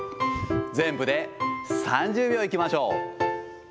全部で３０秒いきましょう。